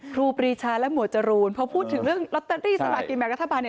ครูปรีชาและหมวดจรูนพอพูดถึงเรื่องลอตเตอรี่สลากินแบ่งรัฐบาลเนี่ย